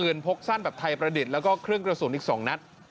พกสั้นแบบไทยประดิษฐ์แล้วก็เครื่องกระสุนอีก๒นัด